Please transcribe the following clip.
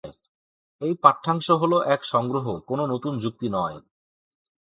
এই পাঠ্যাংশ হল এক সংগ্রহ, কোনো নতুন যুক্তি নয়।